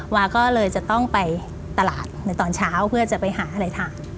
วาก็เลยจะต้องไปตลาดในตอนเช้าเพื่อจะไปหาอะไรทาน